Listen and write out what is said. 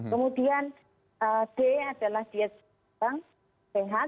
kemudian d adalah diet